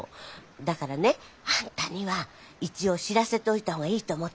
だからねあんたには一応知らせておいた方がいいと思ってさ。